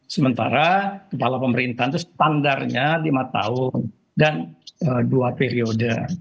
sementara kepala pemerintahan itu standarnya lima tahun dan dua periode